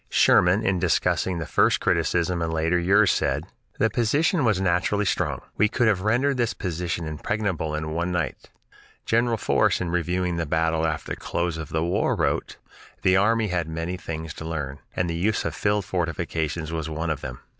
Sherman, in discussing the first criticism in later years, said, "The position was naturally strong; ... we could have rendered this position impregnable in one night." General Force, in reviewing the battle after the close of the war, wrote: "The army had many things to learn, and the use of field fortifications was one of them."